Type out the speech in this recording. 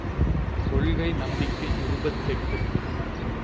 கொள்கை நம்பிக்கை இருபத்தெட்டு.